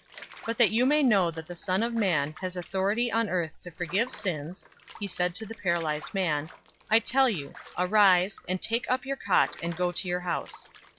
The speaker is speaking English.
005:024 But that you may know that the Son of Man has authority on earth to forgive sins" (he said to the paralyzed man), "I tell you, arise, and take up your cot, and go to your house."